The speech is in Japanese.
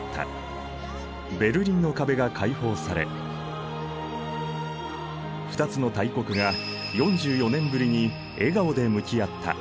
ベルリンの壁が開放され２つの大国が４４年ぶりに笑顔で向き合った。